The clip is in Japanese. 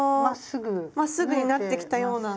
まっすぐになってきたようなはい。